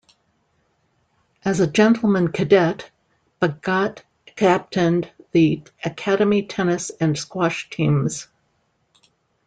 As a gentleman cadet, Bhagat captained the academy tennis and squash teams.